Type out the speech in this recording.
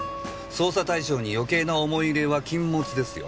捜査対象に余計な思い入れは禁物ですよ。